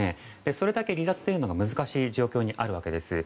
それだけ離脱というのが難しい状況にあるわけです。